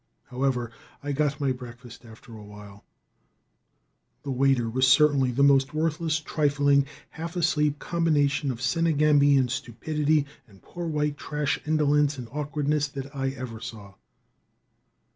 However, I got my breakfast after awhile. The waiter was certainly the most worthless, trifling, half asleep combination of Senegambian stupidity and poor white trash indolence and awkwardness that I ever saw.